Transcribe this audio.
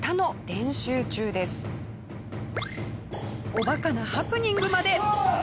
おバカなハプニングまで。